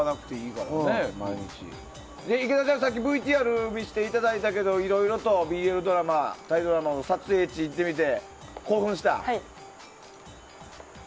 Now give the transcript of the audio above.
池田ちゃん、さっきＶＴＲを見せていただいたけどいろいろと、ＢＬドラマタイドラマの撮影地に行ってみて興奮した？